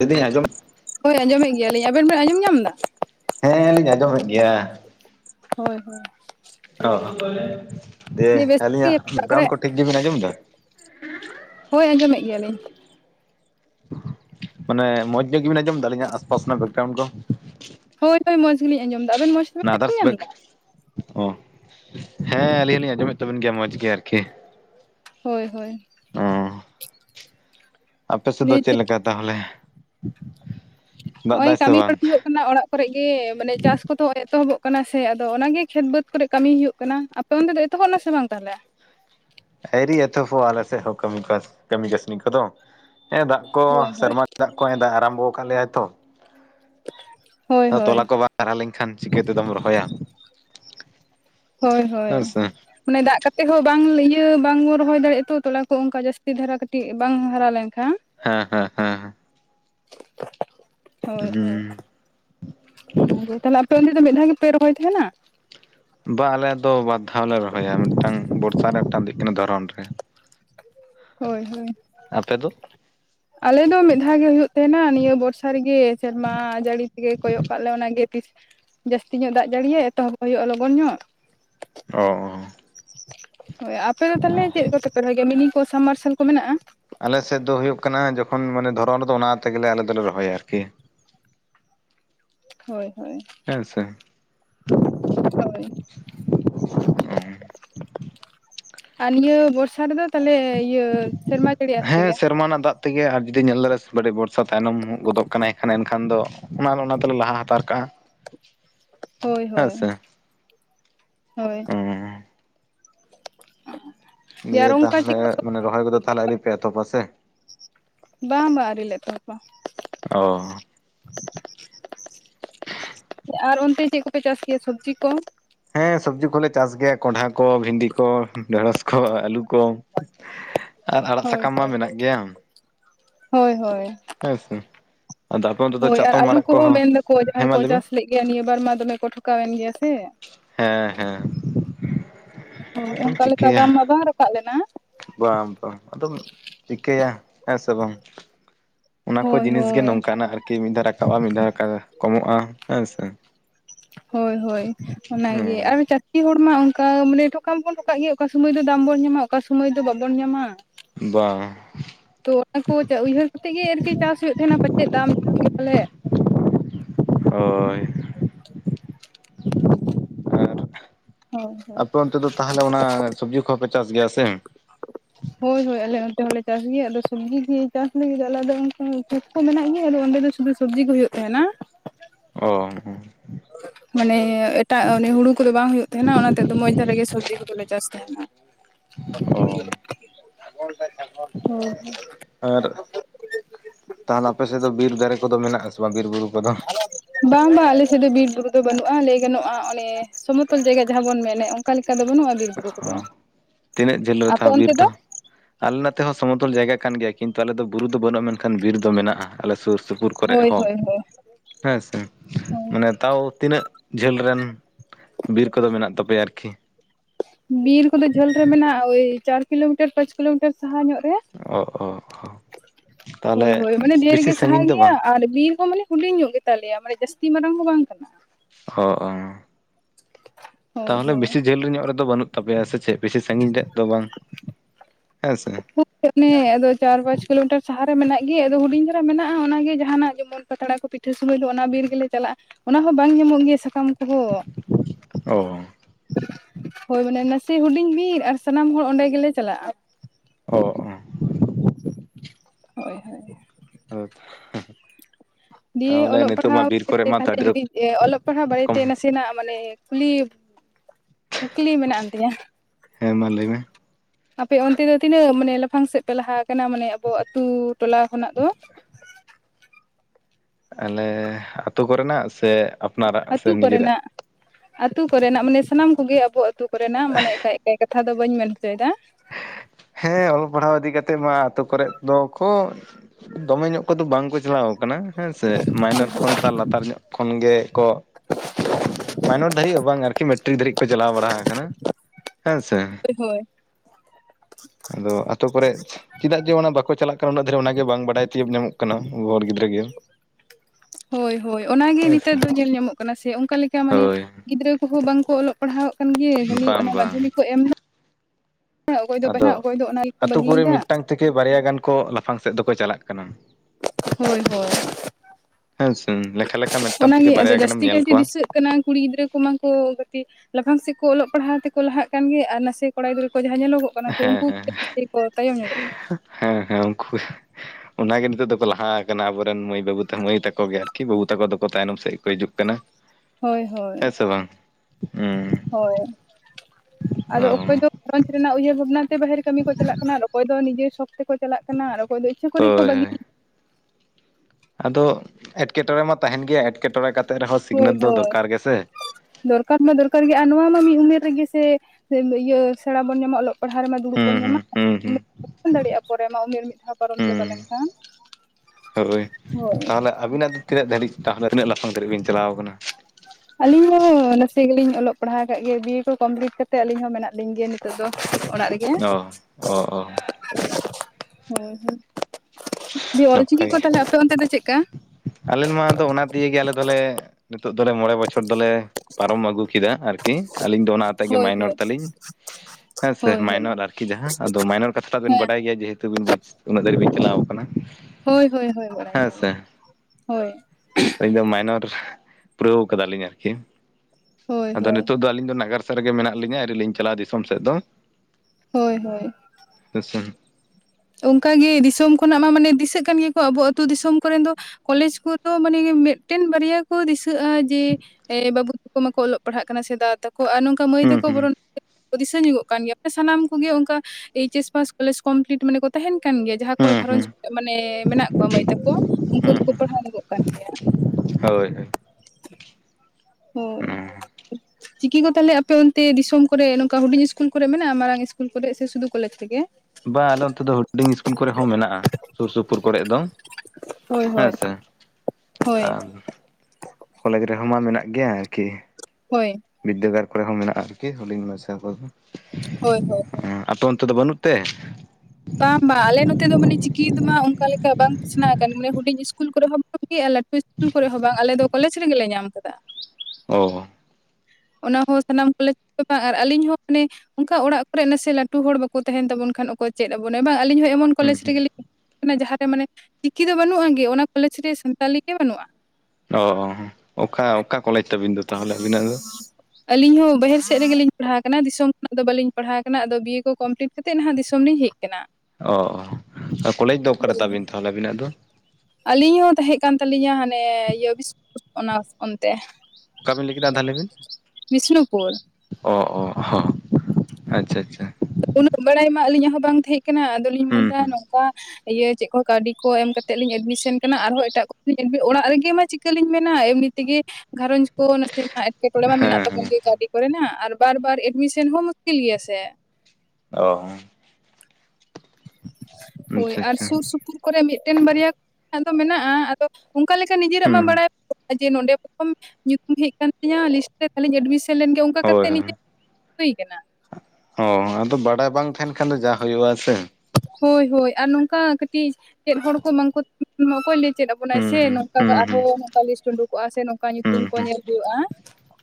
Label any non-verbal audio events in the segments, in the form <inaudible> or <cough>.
ᱞᱟᱹᱭ ᱫᱤᱧ ᱟᱡᱚᱢ ᱦᱳᱭ ᱟᱸᱡᱚᱢᱮᱫ ᱜᱮᱭᱟᱞᱤᱧ ᱟᱵᱮᱱ ᱵᱮᱱ ᱟᱸᱡᱚᱢ ᱧᱟᱢ ᱮᱫᱟ! ᱦᱮᱸ ᱞᱤᱧ ᱟᱸᱡᱚᱢᱮᱫ ᱜᱮᱭᱟ᱾ ᱦᱳᱭ ᱦᱳᱭ᱾ ᱚ ᱫᱤᱭᱮ ᱵᱮᱥ ᱜᱮ ᱟᱹᱞᱤᱧᱟᱜ ᱚᱲᱟᱜ ᱠᱚᱨᱮ <unintelligible> ᱴᱷᱤᱠ ᱜᱮᱵᱤᱱ ᱟᱸᱡᱚᱢ ᱮᱫᱟ? ᱦᱳᱭ ᱟᱸᱡᱚᱢᱮᱫ ᱜᱮᱭᱟ ᱞᱤᱧ᱾ ᱢᱟᱱᱮ ᱢᱚᱡᱽ ᱧᱚᱜ ᱜᱮᱵᱤᱱ ᱟᱸᱡᱚᱢ ᱮᱫᱟ ᱟᱹᱞᱤᱧᱟᱜ ᱟᱥᱯᱟᱥ ᱨᱮᱱᱟᱜ ᱵᱮᱠᱜᱨᱟᱣᱩᱱᱰ ᱠᱚ? ᱦᱳᱭ ᱦᱳᱭᱚᱡᱽ ᱜᱮᱞᱤᱧ ᱟᱡᱚᱢᱫᱟ ᱟᱵᱮᱱ ᱢᱚᱡᱽ ᱚᱱᱟ ᱛᱮᱵᱮᱱ ᱟᱸᱡᱚᱢ ᱟᱫᱟᱨᱥ ᱵᱮᱠ ᱧᱟᱢ ᱫᱟ? ᱚ ᱦᱮᱸ ᱟᱹᱞᱤᱧ ᱦᱚᱞᱤᱧ ᱟᱸᱡᱚᱢᱮᱫ ᱛᱟᱵᱮᱱ ᱜᱮᱭᱟ ᱢᱚᱸᱡᱽ ᱜᱮ ᱟᱨᱠᱤ᱾ ᱦᱳᱭ ᱦᱳᱭ᱾ ᱚ ᱟᱯᱮ ᱥᱮᱫ ᱫᱚ ᱪᱮᱫ ᱞᱮᱠᱟ ᱛᱟᱦᱚᱞᱮ? ᱫᱟᱜ ᱱᱚᱜᱼᱭ ᱫᱟᱭ ᱥᱮ ᱠᱟᱹᱢᱤ ᱵᱟᱝ <unintelligible> ᱚᱲᱟᱜ ᱠᱚᱨᱮ ᱜᱮ ᱢᱟᱱᱮ ᱪᱟᱥ ᱠᱚᱫᱚ ᱮᱛᱚᱦᱚᱵᱚᱜ ᱠᱟᱱᱟ ᱥᱮ ᱟᱫᱚ ᱚᱱᱟᱜᱮ ᱠᱷᱮᱛ ᱵᱟᱹᱫᱽ ᱠᱚᱨᱮ ᱠᱟᱹᱢᱤ ᱦᱩᱭᱩᱜ ᱠᱟᱱᱟ᱾ ᱟᱯᱮ ᱚᱱᱛᱮ ᱫᱚ ᱮᱛᱚᱦᱚᱜ ᱱᱟ ᱥᱮ ᱵᱟᱝ ᱛᱟᱦᱚᱞᱮ? ᱮᱨᱤ ᱮᱛᱚᱦᱚᱵᱣᱟ ᱟᱠᱮᱥᱮ ᱦᱚᱸ ᱠᱟᱹᱢᱤ ᱠᱟᱹᱢᱤ ᱠᱟᱹᱥᱱᱤ ᱠᱚᱫᱚ ᱦᱮᱸ ᱫᱟᱜ ᱠᱚ ᱦᱳᱭ ᱦᱳᱭ ᱥᱮᱨᱢᱟ ᱫᱟᱜ ᱠᱚ ᱮ ᱟᱨᱟᱢᱵᱚ ᱟᱠᱟᱫ ᱞᱮᱼᱟᱭ ᱛᱚ᱾ ᱦᱳᱭ ᱦᱳᱭ ᱛᱚᱞᱟ ᱠᱚ ᱵᱟᱝ ᱦᱟᱨᱟ ᱞᱮᱱᱠᱷᱟᱱ ᱪᱤᱠᱟᱹ ᱛᱮᱫᱚᱢ ᱨᱚᱦᱚᱭᱟ᱾ ᱦᱳᱭ ᱦᱳᱭ᱾ ᱦᱮᱸ ᱥᱮ ᱚᱱᱮ ᱫᱟᱜ ᱠᱟᱛᱮᱫ ᱦᱚᱸ ᱵᱟᱝ ᱤᱭᱟᱹ ᱵᱟᱝᱵᱚᱱ ᱨᱚᱦᱚᱭ ᱫᱟᱲᱮᱭᱟᱜᱼᱟ ᱛᱚ ᱛᱚᱞᱟ ᱠᱚ ᱚᱱᱠᱟ ᱡᱟᱹᱥᱛᱤ ᱫᱷᱟᱨᱟ ᱠᱟᱴᱤᱡ ᱵᱟᱝ ᱦᱟᱨᱟ ᱞᱮᱱᱠᱷᱟᱱ᱾ ᱦᱮᱸ ᱦᱮᱸᱦᱮᱸ᱾ ᱦᱳᱭ ᱦᱩᱸ ᱦᱳᱭ ᱛᱟᱦᱚᱞᱮ ᱟᱯᱮ ᱚᱸᱰᱮ ᱫᱚ ᱢᱤᱫ ᱫᱷᱟᱣ ᱜᱮᱯᱮ ᱨᱚᱦᱚᱭ ᱛᱟᱦᱮᱱᱟ? ᱵᱟ ᱟᱞᱮ ᱫᱚ ᱵᱟᱨ ᱫᱷᱟᱣ ᱞᱮ ᱨᱚᱦᱚᱭᱟ ᱢᱤᱫᱴᱟᱝ ᱵᱚᱨᱥᱟ ᱨᱮ ᱢᱤᱫᱴᱟᱝ ᱫᱚ ᱦᱩᱭᱩᱜ ᱠᱟᱱᱟ ᱫᱷᱚᱨᱚᱱ ᱨᱮ᱾ ᱦᱳᱭ ᱦᱳᱭ᱾ ᱟᱯᱮ ᱫᱚ? <inaudible> ᱟᱞᱮ ᱫᱚ ᱢᱤᱫ ᱫᱷᱟᱣ ᱜᱮ ᱦᱩᱭᱩᱜ ᱛᱟᱦᱮᱱᱟ ᱱᱤᱭᱟᱹ ᱵᱚᱨᱥᱟ ᱨᱮᱜᱮ ᱥᱮᱨᱢᱟ ᱡᱟᱹᱲᱤ ᱛᱮᱜᱮ ᱠᱚᱭᱚᱜ ᱠᱟᱜ ᱞᱮ ᱚᱱᱟᱜᱮ ᱛᱤᱥ ᱡᱟᱹᱥᱛᱤ ᱧᱚᱜ ᱫᱟᱜ ᱡᱟᱹᱲᱤᱭᱤᱭᱟ ᱮᱛᱚᱦᱚᱵ ᱦᱩᱭᱩᱜ-ᱟ ᱞᱚᱜᱚᱱ ᱧᱚᱜ᱾ ᱚᱻ ᱟᱯᱮ ᱫᱚ ᱛᱟᱦᱞᱮ ᱪᱮᱫ ᱠᱚᱛᱮᱯᱮ ᱨᱚᱦᱚᱭ ᱜᱮᱭᱟ ᱢᱤᱞᱤ ᱠᱚ ᱥᱟᱢᱵᱟᱥᱳᱞ ᱠᱚ ᱢᱮᱱᱟᱜᱼᱟ? ᱟᱞᱮ ᱥᱮᱫ ᱫᱚ ᱦᱩᱭᱩᱜ ᱠᱟᱱᱟ ᱡᱚᱠᱷᱚᱱ ᱢᱟᱱᱮ ᱫᱷᱚᱨᱚᱱ ᱨᱮᱫᱚ ᱚᱱᱟ ᱛᱮᱜᱮᱞᱮ ᱟᱞᱮ ᱫᱚᱞᱮ ᱨᱚᱦᱚᱭᱟ ᱟᱨᱠᱤ᱾ ᱦᱳᱭ ᱦᱳᱭ᱾ ᱦᱮᱸ ᱥᱮ᱾ ᱦᱳᱭ᱾ ᱟᱨ ᱱᱤᱭᱟᱹ ᱵᱚᱨᱥᱟ ᱨᱮᱫᱚ ᱛᱟᱞᱦᱮ ᱤᱭᱟᱹ ᱥᱮᱨᱢᱟ ᱡᱟᱹᱲᱤ ᱟᱥ ᱦᱮᱸ ᱛᱮᱜᱮ? ᱥᱮᱨᱢᱟ ᱫᱟᱜ ᱫᱟᱜ᱾ ᱛᱮᱜᱮ ᱟᱨ ᱡᱩᱫᱤ ᱧᱮᱞ ᱫᱟᱲᱮᱥ ᱠᱟᱹᱴᱤᱡ ᱵᱚᱨᱥᱟ ᱛᱟᱭᱱᱚᱢ ᱜᱚᱫᱚᱜ ᱠᱟᱱᱟᱭ ᱮᱠᱷᱮᱱ ᱮᱱᱠᱷᱟᱱ ᱫᱚ ᱚᱱᱟ ᱚᱱᱟ ᱛᱮᱞᱮ ᱞᱟᱦᱟ ᱦᱟᱛᱟᱲ ᱠᱟᱜᱼᱟ᱾ ᱦᱳᱭ ᱦᱮᱸ ᱦᱳᱭ᱾ ᱥᱮ ᱦᱳᱭ᱾ ᱡᱮ ᱫᱤᱭᱮ ᱟᱨ ᱚᱱᱠᱟ ᱪᱮᱫ ᱛᱟᱦᱚᱞᱮ ᱠᱚ ᱢᱟᱱᱮ ᱨᱚᱦᱚᱭ ᱠᱚᱫᱚ ᱛᱟᱦᱚᱞᱮ ᱟᱹᱞᱤ ᱯᱮ ᱮᱛᱚᱦᱚᱵᱟ ᱥᱮ? ᱵᱟᱝ ᱵᱟ ᱟᱹᱨᱤᱞᱮ ᱮᱛᱚᱦᱚᱵᱟ᱾ ᱚ <inaudible> ᱟᱨ ᱚᱱᱛᱮ ᱪᱮᱫ ᱠᱚᱯᱮ ᱪᱟᱥ ᱠᱮᱭᱟ ᱥᱚᱵᱽᱡᱤ ᱠᱚ? ᱦᱮᱸ ᱥᱚᱵᱽᱡᱤ ᱠᱚᱞᱮ ᱪᱟᱥ ᱜᱮᱭᱟ ᱠᱚᱸᱰᱷᱟ ᱠᱚ, ᱵᱷᱤᱱᱰᱤ ᱠᱚ, ᱰᱷᱮᱸᱲᱚᱥ ᱠᱚ, ᱟᱹᱞᱩ ᱠᱚ᱾ ᱟᱨ ᱟᱲᱟᱜ ᱦᱳᱭ ᱥᱟᱠᱟᱢ ᱢᱟ ᱦᱳᱭ ᱢᱮᱱᱟᱜ ᱜᱮᱭᱟ᱾ ᱦᱳᱭ ᱦᱳᱭ᱾ ᱦᱮᱸ ᱥᱮ ᱟᱫᱚ ᱟᱯᱮ ᱚᱱᱛᱮ ᱫᱚ ᱦᱳᱭ ᱟᱨ ᱪᱟᱛᱚᱢ ᱟᱞᱩ ᱟᱲᱟᱜ ᱠᱚᱦᱚᱸ ᱢᱮᱱ ᱫᱟᱠᱚ ᱡᱟᱦᱟᱸᱭ ᱦᱮᱸ ᱢᱟ ᱠᱚ ᱞᱟᱹᱭ ᱢᱮ ᱪᱟᱥ ᱞᱮᱜ ᱜᱮᱭᱟ ᱱᱤᱭᱟᱹ ᱵᱟᱨ ᱢᱟ ᱫᱚᱢᱮ ᱠᱚ ᱴᱷᱚᱠᱟᱣᱮᱱ ᱜᱮᱭᱟ ᱥᱮ᱾ ᱦᱮᱸ ᱦᱮᱸ᱾ ᱦᱳᱭ ᱟᱫᱚᱢ ᱚᱱᱠᱟ ᱞᱮᱠᱟ ᱪᱤᱠᱟᱹᱭᱟ ᱫᱟᱢ ᱢᱟ ᱵᱟᱝ ᱨᱟᱠᱟᱵ ᱞᱮᱱᱟ᱾ ᱵᱟᱝ ᱵᱟᱝ᱾ ᱟᱫᱚᱢ ᱪᱤᱠᱟᱹᱭᱟ ᱦᱮ ᱥᱮ ᱵᱟᱝ? ᱚᱱᱟ ᱠᱚ ᱦᱳᱭ ᱡᱤᱱᱤᱥ ᱜᱮ ᱦᱳᱭ ᱱᱚᱝᱠᱟᱱᱟᱜ ᱟᱨᱠᱤ ᱢᱤᱫ ᱫᱷᱟ ᱨᱟᱠᱟᱵ-ᱟ, ᱢᱤᱫ ᱫᱷᱟ ᱠᱟᱫᱚ ᱠᱚᱢᱚᱜᱼᱟ ᱦᱮᱸ ᱥᱮ᱾ ᱦᱳᱭ ᱦᱳᱭ ᱚᱱᱟ ᱜᱮ ᱦᱮᱸ ᱟᱨᱚ ᱪᱟ ᱠᱤ ᱦᱚᱲ ᱢᱟ ᱚᱝᱠᱟ ᱢᱟᱱᱮ ᱴᱷᱚᱠᱟ ᱢᱟᱵᱚᱱ ᱴᱷᱚᱠᱟᱜ ᱜᱮᱭᱟ ᱚᱠᱟ ᱥᱩᱢᱟᱹᱭ ᱫᱚ ᱫᱟᱢ ᱵᱚᱱ ᱧᱟᱢᱟ, ᱚᱠᱟ ᱥᱩᱢᱚᱭ ᱫᱚ ᱵᱟᱵᱚᱱ ᱧᱟᱢᱟ᱾ ᱵᱟᱝᱟ᱾ ᱛᱚ ᱚᱱᱟ ᱠᱚ ᱩᱭᱦᱟᱹᱨ ᱠᱟᱛᱮᱜ ᱜᱮ ᱟᱨᱠᱤ ᱪᱟᱥ ᱦᱩᱭᱩᱜ ᱛᱟᱦᱮᱱᱟ ᱯᱟᱪᱮᱫ ᱫᱟᱢ <unintelligible> ᱯᱟᱞᱮᱜ᱾ ᱦᱳᱭ᱾ ᱟᱨ ᱦᱳᱭ ᱦᱳᱭ ᱟᱯᱮ ᱚᱱᱛᱮ ᱫᱚ ᱛᱟᱦᱚᱞᱮ ᱚᱱᱟ ᱥᱚᱵᱽᱡᱤ ᱠᱚᱦᱚᱸ ᱯᱮ ᱪᱟᱥ ᱜᱮᱭᱟ ᱥᱮ? ᱦᱳᱭ ᱦᱳᱭ ᱟᱞᱮ ᱚᱱᱛᱮ ᱦᱚᱸᱞᱮ ᱪᱟᱥ ᱜᱮᱭᱟ ᱟᱫᱚ ᱥᱚᱵᱽᱡᱤ ᱫᱤᱭᱮ ᱪᱟᱥ ᱞᱟᱹᱜᱤᱫ ᱫᱚ ᱟᱞᱮ ᱚᱱᱠᱟ ᱢᱤᱫ ᱪᱷᱚᱴ ᱠᱚ ᱢᱮᱱᱟᱜ ᱜᱮᱭᱟ ᱟᱫᱚ ᱚᱸᱰᱮ ᱫᱚ ᱥᱩᱫᱷᱩ ᱥᱚᱵᱽᱡᱤ ᱜᱮ ᱦᱩᱭᱩᱜ ᱛᱟᱦᱮᱸᱱᱟ᱾ ᱚᱝ ᱚ᱾ <inaudible> ᱢᱟᱱᱮ ᱮᱴᱟᱜ ᱚᱱᱮ ᱦᱩᱲᱩ ᱠᱚᱫᱚ ᱵᱟᱝ ᱦᱩᱭᱩᱜ ᱛᱟᱦᱮᱱᱟ ᱚᱱᱟ ᱛᱮ ᱟᱫᱚ ᱢᱚᱡᱽ ᱫᱷᱟᱨᱟ ᱜᱮ ᱥᱚᱵᱽᱡᱤ ᱠᱚᱫᱚᱞᱮ ᱪᱟᱥ ᱛᱟᱦᱮᱱᱟ᱾ ᱚ <unintelligible> ᱦᱳᱭ ᱟᱨ ᱛᱟᱦᱚᱞᱮ ᱟᱯᱮ ᱥᱮᱫ ᱫᱚ ᱵᱤᱨ ᱫᱟᱨᱮ ᱠᱚᱫᱚ ᱢᱮᱱᱟᱜ-ᱟ ᱥᱮ ᱵᱟᱝ ᱵᱤᱨ ᱵᱩᱨᱩ? ᱠᱚᱫᱚ <inaudible> ᱵᱟᱝ ᱵᱟᱝ ᱟᱞᱮ ᱥᱮᱫ ᱫᱚ ᱵᱤᱨ ᱵᱩᱨᱩ ᱫᱚ ᱵᱟᱹᱱᱩᱜ-ᱟ᱾ ᱞᱟᱹᱭ ᱜᱟᱱᱚᱜ-ᱟ ᱚᱱᱮ ᱥᱚᱢᱚᱛᱚᱞ ᱡᱟᱭᱜᱟ ᱡᱟᱦᱟᱸ ᱵᱚᱱ ᱢᱮᱱᱮᱜ ᱚᱱᱠᱟ ᱞᱮᱠᱟ ᱫᱚ ᱵᱟᱹᱱᱩᱜᱼᱟ ᱵᱤᱨ ᱵᱩᱨᱩ ᱠᱚᱫᱚ᱾ ᱛᱤᱱᱟᱹᱜ ᱡᱷᱟᱹᱞ ᱨᱮ ᱟᱯᱮ ᱛᱟᱦᱮᱸ ᱚᱱᱛᱮ ᱵᱤᱨ ᱫᱚ? ᱟᱞᱮ ᱱᱟᱛᱮ ᱦᱚᱸ ᱥᱚᱢᱚᱛᱚᱞ ᱡᱟᱭᱜᱟ ᱠᱟᱱ ᱜᱮᱭᱟ᱾ ᱠᱤᱱᱛᱩ ᱟᱞᱮ ᱫᱚ ᱵᱩᱨᱩ ᱫᱚ ᱵᱟᱹᱱᱩᱜ-ᱟ ᱢᱮᱱᱠᱷᱟᱱ ᱵᱤᱨ ᱫᱚ ᱢᱮᱱᱟᱜ-ᱟ ᱟᱞᱮ ᱥᱩᱨ ᱥᱩᱯ ᱩᱨ ᱠᱚᱨᱮᱜ ᱦᱳᱭ ᱦᱚᱸ, ᱦᱳᱭ ᱦᱳᱭ ᱦᱮᱸ ᱥᱮ ᱦᱳᱭ ᱢᱟᱱᱮ ᱛᱟᱣ ᱛᱤᱱᱟᱹᱜ ᱡᱷᱟᱹᱞ ᱨᱮᱱ ᱵᱤᱨ ᱠᱚᱫᱚ ᱢᱮᱱᱟᱜ ᱛᱟᱯᱮᱭᱟ ᱟᱨᱠᱤ? ᱵᱤᱨ ᱠᱚᱫᱚ ᱡᱷᱟᱹᱞ ᱨᱮ ᱢᱮᱱᱟᱜ-ᱟ ᱳᱭ ᱪᱟᱨ ᱠᱤᱞᱳᱢᱤᱴᱟᱨ ᱯᱟᱸᱪ ᱠᱤᱞᱳᱢᱤᱴᱟᱨ ᱥᱟᱦᱟ ᱧᱚᱜ ᱨᱮ᱾ ᱚ ᱚ ᱦᱳᱭ ᱛᱟᱦᱚᱞᱮ ᱦᱳᱭ ᱢᱟᱱᱮ ᱰᱷᱮᱨ ᱵᱮᱥᱤ ᱜᱮ ᱥᱟᱦᱟ ᱥᱟᱺᱜᱤᱧ ᱫᱚ ᱜᱮᱭᱟ ᱵᱟᱝ ᱟᱨ ᱵᱤᱨ ᱦᱚᱸ ᱢᱟᱱᱮ ᱦᱩᱲᱤᱧ ᱧᱚᱜ ᱜᱮ ᱛᱟᱞᱮᱭᱟ ᱢᱟᱱᱮ ᱡᱟᱹᱥᱛᱤ ᱢᱟᱨᱟᱝ ᱫᱚ ᱵᱟᱝ ᱠᱟᱱᱟ᱾ ᱚ ᱚᱸ᱾ ᱛᱟᱦᱚᱞᱮ ᱦᱳᱭ ᱦᱳᱭ ᱵᱤᱥᱤ ᱡᱷᱟᱹᱞ ᱧᱚᱜ ᱨᱮᱫᱚ ᱵᱟᱹᱱᱩᱜ ᱛᱟᱯᱮᱭᱟ ᱥᱮ ᱪᱮᱫ ᱵᱮᱥᱤ ᱥᱟᱺᱜᱤᱧ ᱨᱮᱫ ᱫᱚ ᱵᱟᱝ ᱦᱮᱸᱥᱮ᱾ ᱠᱷᱩᱵ ᱟᱱᱮ ᱟᱫᱚ ᱪᱟᱨ ᱯᱟᱸᱪ ᱠᱤᱞᱳᱢᱤᱴᱟᱨ ᱥᱟᱦᱟ ᱨᱮ ᱢᱮᱱᱟᱜ ᱜᱮ ᱟᱫᱚ ᱦᱩᱰᱤᱧ ᱫᱷᱟᱨᱟ ᱢᱮᱱᱟᱜ-ᱟ ᱚᱱᱟᱜᱮ ᱡᱟᱦᱟᱱᱟᱜ ᱡᱮᱢᱚᱱ ᱯᱟᱛᱲᱟ ᱠᱚ ᱯᱤᱴᱷᱟᱹ ᱥᱚᱢᱚᱭ ᱫᱚ ᱚᱱᱟ ᱵᱤᱨ ᱜᱮᱞᱮ ᱪᱟᱞᱟᱜ-ᱟ᱾ᱚᱱᱟ ᱦᱚᱸ ᱵᱟᱝ ᱧᱟᱢᱚᱜ ᱜᱮᱭᱟ ᱥᱟᱠᱟᱢ ᱦᱚᱜ ᱚ ᱦᱳᱭ ᱢᱟᱱᱮ ᱱᱟᱥᱮ ᱦᱩᱰᱤᱧ ᱵᱤᱨ ᱟᱨ ᱥᱟᱱᱟᱢ ᱦᱚᱲ ᱚᱸᱰᱮ ᱜᱮᱞᱮ ᱪᱟᱞᱟᱜ-ᱟ᱾ ᱚ ᱚ᱾ ᱦᱳᱭ, ᱦᱳᱭ᱾ <unintelligible> ᱫᱤᱭᱮ ᱛᱟᱦᱚᱞᱮ ᱚᱞᱚᱜ ᱱᱤᱛᱚᱜ ᱢᱟ ᱯᱟᱲᱦᱟᱣ ᱵᱤᱨ ᱠᱚᱨᱮ ᱢᱟ ᱛᱟᱦᱞᱮ ᱟᱹᱰᱤ ᱡᱩᱫᱤ ᱚᱞᱚᱜ ᱯᱟᱲᱦᱟᱣ ᱵᱟᱨᱮ ᱨᱚᱠᱚᱢ ᱛᱮ ᱱᱟᱥᱮ ᱱᱟᱜ ᱢᱟᱱᱮ ᱠᱩᱠᱞᱤ, ᱠᱩᱠᱞᱤ ᱢᱮᱱᱟᱜ ᱟᱱ ᱛᱤᱧᱟᱹ᱾ ᱦᱮᱸ ᱢᱟ ᱞᱟᱹᱭ ᱢᱮ᱾ <inaudible> ᱟᱯᱮ ᱚᱱᱛᱮ ᱫᱚ ᱛᱤᱱᱟᱹᱜ ᱢᱟᱱᱮ ᱞᱟᱯᱷᱟᱝ ᱥᱮᱫ ᱯᱮ ᱞᱟᱦᱟ ᱟᱠᱟᱱᱟ ᱢᱟᱱᱮ ᱟᱵᱚ ᱟᱛᱩ ᱴᱚᱞᱟ ᱠᱷᱚᱱᱟᱜ ᱫᱚ? ᱟᱞᱮ ᱟᱹᱛᱳ ᱠᱚᱨᱮᱱᱟᱜ ᱥᱮ ᱟᱯ ᱟᱛᱩ ᱠᱚᱨᱮᱱᱟᱜ, ᱟᱛᱩ ᱠᱚᱨᱮᱱᱟᱜ ᱢᱟᱱᱮ ᱥᱟᱱᱟᱢ ᱠᱚᱜᱮ ᱟᱵᱚ ᱟᱛᱩ ᱠᱚᱨᱮᱱᱟᱜ ᱢᱟᱱᱮ ᱮᱠᱟᱭ ᱮᱠᱟᱭ ᱠᱟ ᱠᱟᱛᱷᱟ ᱫᱚ ᱵᱟᱹᱧ ᱢᱮᱱ ᱦᱚᱪᱚᱭ ᱫᱟ᱾ ᱦᱮᱸ ᱚᱞᱚᱜ ᱯᱟᱲᱦᱟᱣ ᱤᱫᱤ ᱠᱟᱛᱮᱜ ᱢᱟ ᱟᱛᱳ ᱠᱚᱨᱮᱫ ᱫᱚᱠᱚ ᱫᱚᱢᱮ ᱧᱚᱜ ᱠᱚᱫᱚ ᱵᱟᱝ ᱠᱚ ᱪᱟᱞᱟᱣ ᱠᱟᱱᱟ ᱦᱮᱸ ᱥᱮ ᱦᱳᱭ ᱢᱟᱭᱱᱚᱨ ᱠᱷᱚᱱ ᱛᱟᱨ ᱞᱟᱛᱟᱨ ᱧᱚᱜ ᱠᱷᱚᱱ ᱜᱮᱠᱚ ᱢᱟᱭᱱᱚᱨ ᱫᱷᱟᱹᱨᱤᱡ ᱦᱚᱸ ᱵᱟᱝ ᱟᱨᱠᱤ ᱢᱮᱴᱨᱤᱠ ᱫᱷᱟᱹᱨᱤᱡ ᱠᱚ ᱪᱟᱞᱟᱣ ᱵᱟᱲᱟ ᱟᱠᱟᱱᱟ ᱦᱮᱸᱥᱮ᱾ ᱦᱳᱭ ᱦᱳᱭ᱾ ᱟᱫᱚ ᱟ ᱟᱹᱛᱳ ᱠᱚᱨᱮᱫ ᱪᱮᱫᱟᱜ ᱡᱮ ᱚᱱᱟ ᱵᱟᱠᱚ ᱪᱟᱞᱟᱜ ᱠᱟᱱᱟ ᱩᱱᱟᱹᱜ ᱫᱷᱟᱨᱤᱡ ᱚᱱᱟ ᱜᱮ ᱵᱟᱝ ᱵᱟᱰᱟᱭ ᱛᱤᱭᱳᱜ ᱧᱟᱢᱚᱜ ᱠᱟᱱᱟ ᱜᱚᱲ ᱜᱤᱫᱽᱨᱟᱹ ᱜᱮ᱾ ᱦᱳᱭ, ᱦᱳᱭ ᱚᱱᱟ ᱜᱮ ᱦᱮᱸ ᱱᱮᱛᱟᱨ ᱥᱮ ᱫᱚ ᱧᱮᱞ ᱧᱟᱢᱚᱜ ᱠᱟᱱᱟ᱾ᱥᱮ ᱚᱱᱠᱟᱞ ᱞᱮᱠᱟ ᱢᱟᱱᱮ ᱦᱳᱭ ᱜᱤᱫᱽᱨᱟᱹ ᱠᱚᱦᱚᱸ ᱵᱟᱝᱵᱠᱚ ᱚᱞᱚᱜ ᱯᱟᱲᱦᱟᱣ ᱚᱜ ᱠᱟᱱ ᱜᱮ ᱠᱷᱟᱹᱞᱤ ᱵᱟᱝ ᱚᱱᱟ ᱵᱟᱝ ᱢᱟᱫᱽᱫᱷᱚᱢᱤᱠ ᱠᱚ ᱮᱢ ᱫᱟ᱾ ᱟᱫᱚ ᱟ ᱫᱚ ᱚᱱᱟ ᱜᱮᱠᱚ ᱟᱹᱛᱳ ᱠᱚᱨᱮ ᱵᱟᱹᱜᱤᱭᱮᱫᱟ ᱢᱤᱫᱴᱟᱝ ᱛᱷᱮᱠᱮ ᱵᱟᱨᱭᱟ ᱜᱟᱱ ᱠᱚ ᱞᱟᱯᱷᱟᱝ ᱥᱮᱫ ᱫᱚᱠᱚ ᱪᱟᱞᱟᱜ ᱠᱟᱱᱟ᱾ ᱦᱳᱭ, ᱦᱳᱭ ᱦᱮᱸᱥᱮ ᱞᱮᱠᱷᱟ ᱞᱮᱠᱷᱟ ᱢᱤᱫᱴᱟᱝ ᱚᱱᱟ ᱛᱷᱮᱠᱮ ᱜᱮ ᱟᱫᱚ ᱵᱟᱨᱭᱟ ᱜᱟᱱᱮᱢ ᱡᱟᱹᱥᱛᱤ ᱧᱮᱞ ᱠᱟᱭᱛᱮ ᱠᱚᱣᱟ ᱫᱤᱥᱟᱹᱜ ᱠᱟᱱᱟ ᱠᱩᱲᱤ ᱜᱤᱫᱽᱨᱟᱹ ᱠᱚᱢᱟ ᱠᱚ ᱜᱟᱛᱮ ᱞᱟᱯᱷᱟᱝ ᱥᱮᱫ ᱠᱚ ᱚᱞᱚᱜ ᱯᱟᱲᱦᱟᱣ ᱛᱮᱠᱚ ᱞᱟᱦᱟᱜ ᱠᱟᱱ ᱜᱮᱭᱟ᱾ ᱟᱨ ᱱᱟᱥᱮ ᱠᱚᱲᱟ ᱜᱤᱫᱽᱨᱟᱹ ᱠᱚ ᱡᱟᱦᱟ ᱧᱮᱞᱚᱜ ᱠᱟᱱᱟ ᱠᱚ ᱦᱮᱸ ᱩᱱᱠᱩ ᱦᱮᱸ <unintelligible> ᱛᱟᱭᱚᱢ ᱧᱚᱜᱚᱜ ᱠᱟᱱᱟ᱾ ᱦᱮᱸ, ᱦᱮᱸ ᱩᱱᱠᱩ ᱜᱮ᱾ ᱚᱱᱟ ᱜᱮ ᱱᱤᱛᱳᱜ ᱫᱚᱠᱚ ᱞᱟᱦᱟ ᱠᱟᱱᱟ ᱟᱵᱚᱱᱨᱮᱱ ᱢᱟᱹᱭ ᱵᱟᱹᱵᱩ ᱛᱟ ᱢᱟᱹᱭ ᱛᱟᱠᱚ ᱜᱮ ᱟᱨᱠᱤ ᱵᱟᱹᱵᱩ ᱛᱟᱠᱚ ᱫᱚᱠᱚ ᱛᱟᱭᱱᱚᱢ ᱥᱮᱫ ᱠᱚ ᱦᱤᱡᱩᱜ ᱠᱟᱱᱟ᱾ <inaudible> ᱦᱳᱭ ᱦᱮᱸ ᱥᱮ ᱵᱟᱝ ᱦᱮᱸ᱾ ᱦᱳᱭ ᱟᱫᱚ ᱦᱳᱭ ᱚᱠᱚᱭ ᱫᱚ ᱜᱷᱟᱨᱚᱸᱧᱡᱽ ᱨᱮᱱᱟᱜ ᱩᱭᱦᱟᱹᱨ ᱵᱷᱟᱵᱱᱟ ᱛᱮ ᱵᱟᱦᱮᱨ ᱠᱟᱹᱢᱤ ᱠᱚ ᱪᱟᱞᱟᱜ ᱠᱟᱱᱟ᱾ᱚᱠᱚᱭ ᱫᱚ ᱱᱤᱡᱮᱨ ᱥᱚᱠ ᱛᱮᱠᱚ ᱪᱟᱞᱟᱜ ᱠᱟᱱᱟ᱾ ᱟᱨ ᱚᱠᱚᱭ ᱫᱚ ᱤᱪᱷᱟᱹ ᱠᱚ ᱨᱮᱠᱚ ᱦᱳᱭ ᱵᱟᱹᱜᱤ ᱟᱫᱚ ᱮᱴᱠᱮᱴᱚᱸᱬᱮ ᱢᱟ ᱛᱟᱦᱮᱱ ᱜᱮᱭᱟ ᱮᱴᱠᱮᱴᱚᱸᱬᱮ ᱠᱟᱛᱮᱜ ᱨᱮᱦᱚᱸ ᱦᱳᱭ ᱥᱤᱠᱷᱱᱟᱹᱛ ᱫᱚ ᱦᱳᱭ ᱫᱚᱨᱠᱟᱨ ᱜᱮ ᱥᱮ᱾ ᱫᱚᱨᱠᱟᱨ ᱢᱟ ᱫᱚᱨᱠᱟᱨ ᱜᱮ ᱟᱨ ᱱᱚᱣᱟ ᱢᱟ ᱢᱤᱫ ᱩᱢᱮᱨ ᱨᱮᱜᱮ ᱥᱮᱮᱤᱭᱟᱹ ᱥᱮᱲᱟ ᱵᱚᱱ ᱧᱟᱢᱟ ᱚᱞᱚᱜ ᱯᱟᱲᱦᱟᱜ ᱨᱮᱢᱟ᱾ ᱫᱩᱲᱩᱵ ᱦᱩᱸ ᱵᱚᱱ ᱧᱟᱢᱟ ᱦᱩᱸ ᱦᱩᱸ ᱦᱩᱸ <unintelligible> ᱵᱟᱵᱚᱱ ᱫᱟᱲᱮᱜ-ᱟ ᱯᱚᱨᱮ ᱢᱟ ᱩᱢᱮᱨ ᱢᱤᱫ ᱫᱷᱟᱣ ᱯᱟᱨᱚᱢ ᱪᱟᱵᱟ ᱦᱩᱸ ᱞᱮᱱᱠᱷᱟᱱ᱾ ᱦᱳᱭ ᱦᱳᱭ ᱛᱟᱦᱞᱮ ᱛᱤᱱᱟᱹᱜ ᱫᱷᱟᱨᱤᱡ ᱛᱟᱦᱞᱮ ᱛᱤᱱᱟᱹᱜ ᱞᱟᱯᱷᱟᱝ ᱫᱷᱟᱵᱤᱡ ᱵᱤᱱ ᱪᱟᱞᱟᱣ ᱠᱟᱱᱟ? <inaudible> ᱟᱹᱞᱤᱧ ᱦᱚᱸ ᱱᱟᱥᱮ ᱜᱮ ᱞᱤᱧ ᱚᱞᱚᱜ ᱯᱟᱲᱦᱟᱣ ᱠᱟᱜ ᱜᱮᱭᱟ᱾ ᱵᱤᱭᱮ ᱠᱚ ᱠᱚᱢᱯᱞᱤᱴ ᱠᱟᱛᱮᱜ ᱟᱹᱞᱤᱧ ᱦᱚᱸ ᱢᱮᱱᱟᱜ ᱞᱤᱧ ᱜᱮᱭᱟ ᱱᱤᱛᱚᱜ ᱫᱚ ᱚᱲᱟᱜ ᱨᱮᱜᱮ᱾ ᱚ, ᱚ, ᱚ᱾ ᱦᱩᱸ, ᱦᱩᱸ᱾ ᱡᱮ ᱚᱞᱪᱤᱠᱤ ᱱᱟᱯᱟᱭ ᱠᱚ ᱜᱮ ᱛᱟᱞᱦᱮ ᱟᱯᱮ ᱚᱱᱛᱮ ᱫᱚ ᱪᱮᱫᱠᱟ? ᱱᱤᱭᱟᱹ ᱜᱮ ᱟᱞᱮ ᱫᱚᱞᱮ ᱱᱤᱛᱚᱜ ᱫᱚᱞᱮ ᱢᱚᱬᱮ ᱵᱚᱪ ᱪᱷᱚᱨ ᱫᱚᱞᱮ ᱯᱟᱨᱚᱢ ᱟᱹᱜᱩ ᱠᱮᱫᱟ ᱟᱹᱨᱠᱤ ᱟᱹᱞᱤᱧ ᱫᱚ ᱚᱱᱟᱛᱮ ᱜᱮ ᱦᱳᱭ ᱢᱟᱭᱱᱚᱨ ᱦᱳᱭ ᱛᱟᱹᱟᱞᱤᱧ᱾ ᱦᱮᱸ ᱥᱮ ᱦᱳᱭ ᱦᱳᱭ ᱢᱟᱭᱱᱚᱨ ᱟᱹᱨᱠᱤ ᱡᱟᱦᱟᱸ ᱟᱫᱚ ᱢᱟᱭᱱᱚᱨ ᱠᱟᱛᱷᱟ ᱫᱚᱵᱤᱱ ᱦᱮᱸ ᱵᱟᱰᱟᱭ ᱜᱮᱭᱟ ᱡᱮᱦᱮᱛᱩ ᱵᱤᱱ ᱵᱩᱡ ᱩᱱᱟᱹᱜ ᱫᱷᱟᱹᱨᱤᱡ ᱵᱤᱱ ᱪᱞᱟᱣ ᱟᱠᱟᱱᱟ᱾ ᱦᱳᱭ ᱦᱳᱭ ᱦᱳᱭ ᱵᱟᱲᱟᱭ ᱦᱮᱸ ᱥᱮ ᱜᱮᱭᱟᱞᱤᱧ ᱦᱳᱭ᱾ ᱟᱹᱞᱤᱧ ᱫᱚ ᱢᱟᱭᱱᱚᱨ ᱯᱩᱨᱟᱹᱣ ᱠᱟᱫᱟᱞᱤᱧ ᱟᱹᱨᱠᱤ, ᱦᱳᱭ ᱟᱫᱚ ᱦᱳᱭ ᱱᱤᱛᱚᱜ ᱫᱚ ᱟᱹᱞᱤᱧ ᱫᱚ ᱱᱟᱜᱟᱨ ᱥᱮᱫ ᱨᱮᱜᱮ ᱢᱮᱱᱟᱜ ᱞᱤᱧᱟᱹ ᱟᱹᱣᱨᱤ ᱞᱤᱧ ᱪᱟᱞᱟᱜ-ᱟ ᱫᱤᱥᱚᱢ ᱥᱮᱫ ᱫᱚ᱾ ᱦᱳᱭ ᱦᱳᱭ, <unintelligible> ᱚᱱᱠᱟᱜᱮ ᱫᱤᱥᱚᱢ ᱠᱷᱚᱱᱟᱜ ᱢᱟ ᱢᱟᱱᱮ ᱫᱤᱥᱟᱹᱜ ᱠᱟᱱ ᱜᱮᱭᱟ ᱠᱚ ᱟᱵᱚ ᱟᱹᱛᱩ ᱫᱤᱥᱚᱢ ᱠᱚᱨᱮᱱ ᱫᱚ᱾ ᱠᱚᱞᱮᱡᱽ ᱠᱚᱫᱚ ᱢᱟᱱᱮ ᱢᱤᱫᱴᱮᱱ ᱵᱟᱨᱭᱟ ᱠᱚ ᱫᱤᱥᱟᱹᱜ-ᱟ ᱡᱮ᱾ ᱮ ᱵᱟᱹᱵᱩ ᱛᱟᱠᱚ ᱢᱟᱠᱚ ᱚᱞᱚᱜ ᱯᱟᱲᱦᱟᱜ ᱠᱟᱱᱟ ᱥᱮ ᱫᱟᱫᱟ ᱛᱟᱠᱚ ᱟᱨ ᱱᱚᱝ ᱢᱟᱹᱭ ᱦᱩᱸ ᱛᱟᱠᱚ ᱦᱩᱸ ᱵᱚᱨᱚᱱ ᱫᱤᱥᱟᱹ ᱧᱚᱜᱚᱜ ᱠᱟᱱ ᱜᱮᱭᱟ ᱟᱯᱮ ᱥᱟᱱᱟᱢ ᱠᱚᱜᱮ ᱚᱱᱠᱟ ᱮᱭᱤᱪᱮᱥ ᱯᱟᱥ ᱠᱚᱞᱮᱡᱽ ᱠᱚᱢᱯᱞᱤᱴ ᱢᱟᱱᱮ ᱠᱚ ᱛᱟᱦᱮᱸᱱ ᱠᱟᱱ ᱜᱮᱭᱟ᱾ ᱡᱟᱦᱟᱸ ᱠᱚᱨᱮ ᱦᱩᱸ ᱜᱷᱟᱨᱚᱸᱡᱽ, ᱦᱩᱸ ᱢᱟᱱᱮᱻ ᱢᱮᱱᱟᱜ ᱠᱚᱣᱟ ᱢᱟᱹᱭ ᱛᱟᱠᱚ ᱩᱱᱠᱩ ᱦᱩᱸ ᱫᱚᱠᱚ ᱦᱩᱸ ᱯᱟᱲᱦᱟᱣ ᱧᱚᱜᱚ ᱠᱟᱱ ᱜᱮᱭᱟ᱾ ᱦᱳᱭ᱾ ᱦᱳᱭ᱾ ᱪᱤᱠᱤ ᱠᱚ ᱛᱟᱦᱚᱸᱞᱮ ᱟᱯᱮ ᱚᱱᱛᱮ ᱫᱤᱥᱚᱢ ᱠᱚᱨᱮ ᱱᱚᱝᱠᱟ ᱦᱩᱰᱤᱧ ᱥᱠᱩᱞ ᱠᱚᱨᱮ ᱢᱮᱱᱟᱜ-ᱟ, ᱢᱟᱨᱟᱝ ᱥᱠᱩᱞ ᱠᱚᱨᱮ ᱥᱮ ᱥᱩᱫᱩ ᱠᱚᱞᱮᱡᱽ ᱨᱮᱜᱮ᱾ ᱵᱟ ᱟᱞᱮ ᱚᱱᱛᱮ ᱫᱚ ᱦᱩᱰᱤᱧ ᱥᱠᱩᱞ ᱠᱚᱨᱮ ᱦᱚᱸ ᱢᱮᱱᱟᱜ-ᱟ ᱥᱩᱨ ᱥᱳᱯᱳᱨ ᱠᱚᱨᱮᱫ ᱫᱚ᱾ ᱦᱳᱭ ᱦᱮᱸ ᱦᱳᱭ᱾ ᱥᱮ ᱦᱳᱭ ᱟᱨ ᱠᱚᱞᱮᱡᱽ ᱨᱮᱦᱚᱸ ᱢᱟ ᱢᱮᱱᱟᱜ ᱜᱮᱭᱟ ᱟᱨᱠᱤ᱾ ᱦᱳᱭ, ᱵᱤᱫᱽᱫᱟᱹᱜᱟᱲ ᱠᱚᱨᱮ ᱦᱚᱸ ᱢᱮᱱᱟᱜ-ᱟ ᱟᱹᱨᱠᱤ ᱦᱩᱰᱤᱧ ᱢᱟᱪᱷᱟ ᱠᱚ ᱫᱚ, ᱦᱳᱭ ᱦᱳᱭ ᱟᱯᱮ ᱚᱱᱛᱮ ᱫᱚ ᱵᱟᱹᱱᱩᱜ ᱛᱮ, ᱵᱟᱝ ᱵᱟᱝ ᱟᱞᱮ ᱱᱚᱛᱮ ᱫᱚ ᱢᱟᱱᱮ ᱪᱤᱠᱤ ᱫᱚ ᱢᱟ ᱚᱱᱠᱟ ᱞᱮᱠᱟ ᱵᱟᱝ ᱯᱟᱥᱱᱟᱜ ᱟᱠᱟᱱ ᱢᱟᱱᱮ ᱦᱩᱰᱤᱧ ᱥᱠᱩᱞ ᱠᱚᱨᱮ ᱦᱚᱸ ᱵᱟᱹᱱᱩᱜ ᱜᱮ᱾ ᱥᱠᱩᱞ ᱠᱚᱨᱮ ᱦᱚᱸ ᱵᱟᱝ, ᱟᱞᱮ ᱫᱚ ᱠᱚᱞᱮᱡᱽ ᱨᱮᱜᱮᱞᱮ ᱧᱟᱢ ᱟᱠᱟᱫᱟ᱾ ᱚ᱾ ᱚᱱᱟ ᱦᱚᱸ ᱥᱟᱱᱟᱢ ᱠᱚᱞᱮᱡᱽ ᱫᱚ ᱵᱟᱝ ᱟᱨ ᱟᱹᱞᱤᱧ ᱦᱚᱸ ᱢᱟᱱᱮ ᱚᱱᱠᱟ ᱚᱲᱟᱜ ᱠᱚᱨᱮᱜ ᱱᱟᱥᱮ ᱞᱟᱹᱴᱩ ᱦᱚᱲ ᱵᱟᱠᱚ ᱛᱟᱦᱮᱸᱱ ᱛᱟᱵᱚᱱ ᱠᱷᱟᱱ, ᱚᱠᱚᱭ ᱪᱮᱫ ᱟᱵᱚᱱᱟ, ᱵᱟᱝ ᱟᱹᱞᱤᱧ ᱦᱚᱸ ᱮᱢᱚᱱ ᱦᱩᱸ ᱠᱚᱞᱮᱡᱽ ᱦᱩᱸ ᱨᱮᱜᱮᱞᱤᱧ ᱢᱟᱱᱮ ᱡᱟᱦᱟᱸ ᱨᱮ ᱢᱟᱱᱮ ᱪᱤᱠᱤ ᱫᱚ ᱵᱟᱹᱱᱩᱜ-ᱟ ᱜᱮ ᱚᱱᱟ ᱠᱚᱞᱮᱡᱽ ᱨᱮ ᱥᱟᱱᱛᱟᱞᱤ ᱜᱮ ᱵᱟᱹᱱᱩᱜ-ᱟ᱾ ᱚ ᱚ ᱚᱠᱟ ᱚᱠᱟ ᱠᱚᱞᱮᱡᱽ ᱟᱹᱵᱤᱱ ᱫᱚ ᱛᱟᱦᱚᱸᱞᱮ ᱟᱵᱤᱱᱟᱜ ᱫᱚ᱾ ᱟᱹᱞᱤᱧ ᱦᱚᱸ ᱵᱟᱹᱦᱮᱨ ᱥᱮᱫ ᱨᱮᱜᱮᱞᱤᱧ ᱯᱟᱲᱦᱟᱣ ᱟᱠᱟᱱᱟ, ᱫᱤᱥᱚᱢ ᱠᱷᱚᱱᱟᱜ ᱫᱚ ᱵᱟᱹᱞᱤᱧ ᱯᱟᱲᱦᱟᱣ ᱟᱠᱟᱱᱟ, ᱟᱫᱚ ᱵᱤᱭᱮ ᱠᱚᱢᱯᱞᱤᱴ ᱠᱟᱛᱮᱫ ᱱᱟᱦᱟᱸᱜ ᱫᱤᱥᱚᱢ ᱞᱤᱧ ᱦᱮᱡ ᱮᱱᱟ, ᱚ ᱟᱨ ᱠᱚᱞᱮᱡᱽ ᱫᱚ ᱚᱠᱟᱨᱮ ᱛᱟᱵᱤᱱ ᱛᱟᱦᱚᱸᱞᱮ ᱟᱵᱤᱱᱟᱜ ᱫᱚ᱾ ᱟᱹᱞᱤᱧ ᱦᱚᱸ ᱛᱟᱦᱮᱸ ᱠᱟᱱ ᱛᱟᱹᱞᱤᱧᱟ ᱦᱟᱱᱮ ᱤᱭᱟᱹ <unintelligible> ᱚᱱᱟ ᱚᱱᱛᱮ᱾ ᱚᱠᱟ ᱵᱤᱱ ᱞᱟᱹᱭ ᱠᱮᱫᱟ ᱟᱫᱷᱟ ᱞᱟᱹᱭ ᱵᱤᱱ? ᱵᱤᱥᱱᱩᱯᱩᱨ ᱚ ᱚ ᱟᱪᱪᱷᱟ ᱟᱪᱪᱷᱟ᱾ ᱩᱱᱟᱹᱜ ᱵᱟᱲᱟᱭ ᱢᱟ ᱟᱹᱞᱤᱧᱟᱜ ᱦᱚᱸ ᱵᱟᱝ ᱛᱟᱦᱮᱸᱜ ᱠᱟᱱᱟ ᱟᱫᱚᱞᱤᱧ ᱦᱩᱸ ᱢᱮᱱᱫᱟ ᱦᱩᱸ ᱱᱚᱝᱠᱟ ᱤᱭᱟᱹ ᱪᱮᱫ ᱠᱚ ᱠᱟᱹᱣᱰᱤ ᱠᱚ ᱮᱢ ᱠᱟᱛᱮᱫ ᱞᱤᱧ ᱮᱰᱢᱤᱥᱮᱱ ᱠᱟᱱᱟ ᱟᱨᱦᱚᱸ ᱮᱴᱟᱜ ᱠᱚ <unintelligible> ᱚᱲᱟᱜ ᱨᱮᱜᱮ ᱢᱟ ᱪᱤ ᱪᱤᱠᱟᱹᱞᱤᱧ ᱢᱮᱱᱟ ᱮᱢᱱᱤ ᱛᱮᱜᱮ ᱜᱷᱟᱨᱚᱸᱡᱽ ᱠᱚ ᱱᱟᱥᱮᱱᱟᱜ᱾ ᱮᱴᱠᱮᱴᱚᱬᱮ ᱢᱟ ᱢᱮᱱᱟᱜ ᱦᱮᱸ ᱛᱟᱵᱚᱱ ᱦᱮᱸ ᱜᱮ ᱠᱟᱣᱹᱰᱤ ᱠᱚᱨᱮᱱᱟᱜ ᱟᱨ ᱵᱟᱨ ᱵᱟᱨ ᱮᱰᱢᱤᱥᱚᱱ ᱦᱚᱸ ᱢᱩᱥᱠᱤᱞ ᱜᱮᱭᱟ ᱥᱮ᱾ ᱚ, ᱦᱳᱭ ᱟᱪᱪᱷᱟ ᱟᱨ ᱟᱪᱪᱷᱟ ᱥᱩᱨ ᱥᱩᱯᱩᱨ ᱠᱚᱨᱮ ᱢᱤᱫᱴᱮᱱ ᱵᱟᱨᱭᱟ ᱢᱮᱱᱟᱜ ᱫᱚ ᱢᱮᱱᱟᱜ-ᱟ ᱟᱫᱚ᱾ ᱚᱱᱠᱟ ᱞᱮᱠᱟ ᱱᱤᱡᱮᱨᱟᱜ ᱦᱩᱸ ᱢᱟ ᱦᱩᱸ ᱵᱟᱲᱟᱭ ᱡᱮ ᱱᱚᱰᱮ ᱯᱨᱚᱛᱷᱚᱢ ᱧᱩᱛᱩᱢ ᱦᱮᱡ ᱠᱟᱱ ᱛᱤᱧᱟ ᱞᱤᱥᱴ ᱛᱮ ᱛᱟᱦᱚᱸᱞᱮ ᱮᱰᱢᱤᱥᱚᱱ ᱞᱮᱱᱜᱮ ᱚᱱᱠᱟ ᱦᱳᱭ ᱠᱟᱛᱮᱜ ᱦᱳᱭ ᱱᱤᱡᱮ ᱦᱩᱭ ᱠᱟᱱᱟ ᱚ ᱟᱫᱚ ᱵᱟᱰᱟᱭ ᱵᱟᱝ ᱛᱟᱦᱮᱱ ᱠᱷᱟᱱ ᱫᱚ ᱡᱟ ᱦᱳᱭᱳᱜᱼᱟ ᱥᱮ᱾ ᱦᱳᱭ ᱦᱳᱭ ᱟᱨ ᱱᱚᱝᱠᱟ ᱠᱟᱹᱴᱤᱡ ᱪᱮᱫ ᱦᱚᱲ ᱠᱚ ᱵᱟᱝᱠᱚ ᱚᱠᱚᱭ ᱞᱮ ᱪᱮᱫ ᱟᱵᱚᱱᱟᱭ ᱦᱩᱸ ᱥᱮ ᱦᱩᱸ ᱱᱚᱝᱠᱟ ᱦᱩᱸ ᱦᱩᱸ ᱦᱚᱸ ᱱᱚᱝᱠᱟ ᱞᱤᱥᱴ ᱩᱰᱩᱠᱚᱜᱼᱟ ᱥᱮ ᱱᱚᱝᱠᱟ ᱦᱩᱸ ᱧᱩᱛᱩᱢ ᱠᱚ ᱦᱩᱸ ᱧᱮᱞ ᱦᱩᱭᱩᱜᱼᱟ᱾